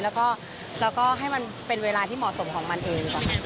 แล้วก็ให้มันเป็นเวลาที่เหมาะสมของมันเองดีกว่า